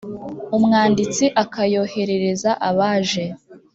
Umwanditsi akayoherereza abaje